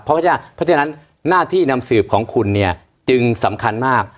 เพราะฉะนั้นหน้าที่นำสืบของคุณเนี่ยจึงสำคัญมาก